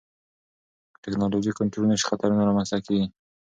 که ټکنالوژي کنټرول نشي، خطرونه رامنځته کېږي.